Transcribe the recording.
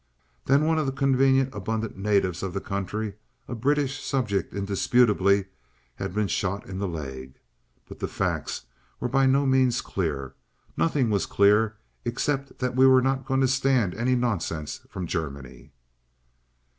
Then one of the convenient abundant natives of the country, a British subject indisputably, had been shot in the leg. But the facts were by no means clear. Nothing was clear except that we were not going to stand any nonsense from Germany.